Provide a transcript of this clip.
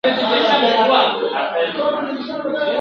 چي یې منع کړي له غلا بلا وهلی ..